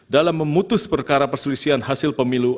dalam memutus perkara perselisihan hasil pemilu